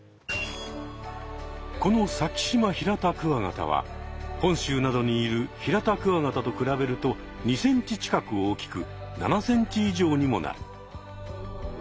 このサキシマヒラタクワガタは本州などにいるヒラタクワガタと比べると２ｃｍ近く大きく７ｃｍ以上にもなる。